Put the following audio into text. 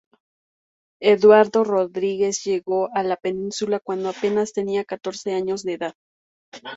Eduardo Rodríguez llegó a la península cuando apenas tenía catorce años de edad.